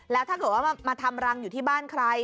แล้วถ้าเกิดว่ามาทำรังอยู่ที่บ้านใคร